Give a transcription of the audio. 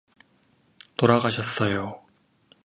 돌아가셨어요.